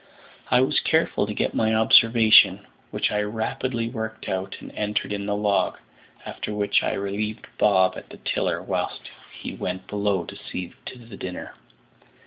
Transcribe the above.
I was careful to get my observation, which I rapidly worked out, and entered in the log; after which I relieved Bob at the tiller, whilst he went below to see to the dinner.